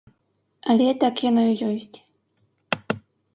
Але так яно і ёсць.